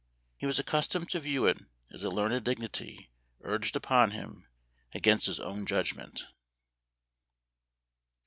He was accustomed to view it as a learned dignity urged upon him against his own judgment.